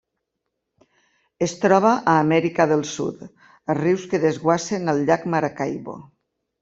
Es troba a Amèrica del Sud, als rius que desguassen al llac Maracaibo.